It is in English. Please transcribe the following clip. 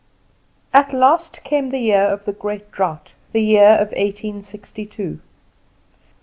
At last came the year of the great drought, the year of eighteen sixty two.